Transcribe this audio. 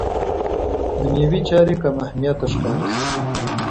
دنیوي چارې کم اهمیته ښکاره شي.